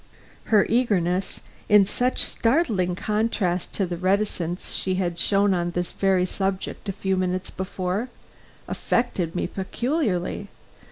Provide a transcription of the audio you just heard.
Her eagerness, in such startling contrast to the reticence she had shown on this very subject a few minutes before, affected me peculiarly.